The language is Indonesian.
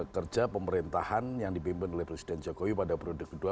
kerja pemerintahan yang dipimpin oleh presiden jokowi pada periode kedua